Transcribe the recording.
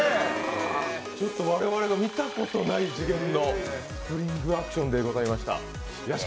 ちょっと我々が見たことない時限のスプリングアクションでございました。